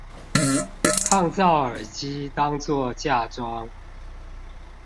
抗噪耳機當作嫁妝